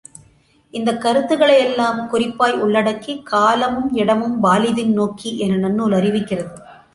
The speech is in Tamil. இந்தக் கருத்துகளை எல்லாம் குறிப்பாய் உள்ளடக்கி, காலமும் இடமும் வாலிதின் நோக்கி என நன்னூல் அறிவிக்கிறது.